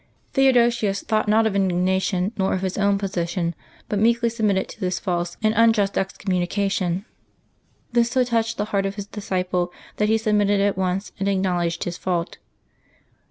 Theodosius thought not of indignation, nor of his own position, but meekly submitted to this false and unjust excommunication. This so touched the heart of his disciple that he submitted at once and acknowledged his fault.